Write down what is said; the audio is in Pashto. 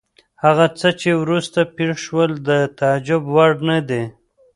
هغه څه چې وروسته پېښ شول د تعجب وړ نه دي.